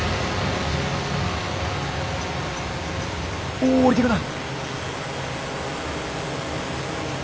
おお降りてくな。